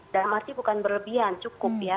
dan maksudnya bukan berlebihan cukup ya